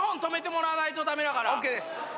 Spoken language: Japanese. ＯＫです。